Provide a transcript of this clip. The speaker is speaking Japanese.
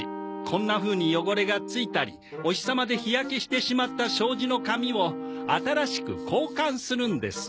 こんなふうに汚れが付いたりお日様で日焼けしてしまった障子の紙を新しく交換するんです。